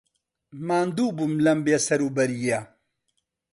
ماندوو بووم لەم بێسەروبەرییە.